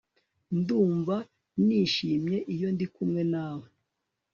Ndumva nishimye iyo ndi kumwe nawe